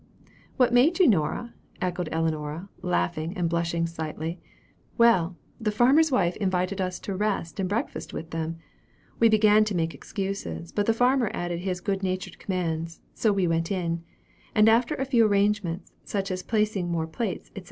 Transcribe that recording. "What made you, Nora?" echoed Ellinora, laughing and blushing slightly. "Well, the farmer's wife invited us to rest and breakfast with them. We began to make excuses; but the farmer added his good natured commands, so we went in; and after a few arrangements, such as placing more plates, &c.